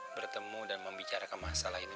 bertemu dan membicarakan masalah ini